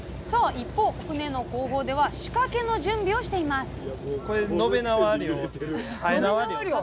一方船の後方では仕掛けの準備をしていますさあ